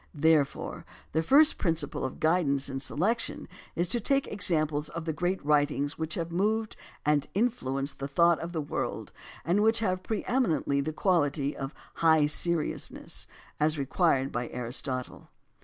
Therefore, the first principle of guidance in selection is to take examples of the great writings which have moved and influenced the thought of the world, and which have pre eminently the quality of "high seriousness," as required by Aristotle.